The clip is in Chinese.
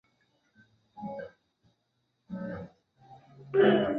流亡河仙镇的昭最被郑昭视为最大隐患。